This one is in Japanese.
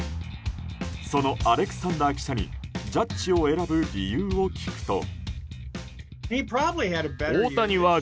そのアレクサンダー記者にジャッジを選ぶ理由を聞くと。